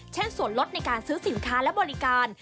เช่นส่วนลดในการซื้อสินค้าและบริการ